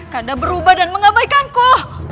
ganda berubah dan mengabaikanku